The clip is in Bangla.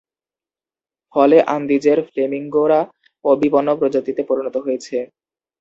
ফলে আন্দিজের ফ্লেমিঙ্গোরা বিপন্ন প্রজাতিতে পরিণত হয়েছে।